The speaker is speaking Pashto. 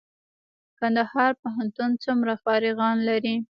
کندهار پوهنتون څومره فارغان لري؟